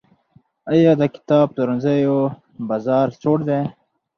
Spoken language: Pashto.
آیا د کتاب پلورنځیو بازار سوړ دی؟